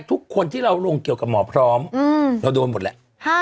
ทุกคนที่เราลงเกี่ยวกับหมอพร้อมเราโดนหมดแล้ว